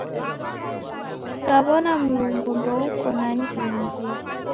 Kaw'ona Mlungu ndouko, nani uumbie?